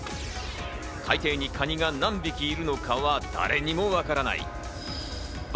海底にカニが何匹いるのかは誰にもわからない。